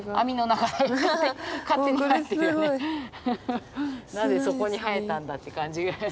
なぜそこに生えたんだって感じが。